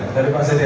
dari pak cdm